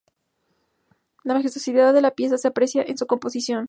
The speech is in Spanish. La majestuosidad de la pieza se aprecia en su composición.